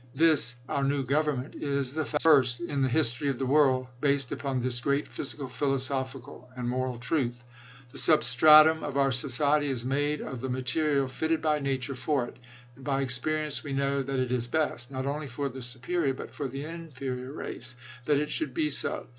This, our new government, is the first, in the history of the world, based upon this great physical, philosophical, and moral truth. .. The substratum of our society is made of the material fitted by nature for it, and by ex perience we know that it is best, not only for the supe rior, but for the inferior race, that it should be so.